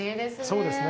そうですね。